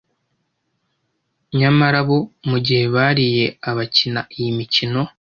nyamara bo mu gihe bariye abakina iyi mikino